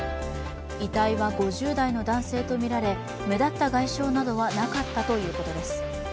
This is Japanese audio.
遺体は５０代の男性とみられ、目立った外傷などはなかったということです。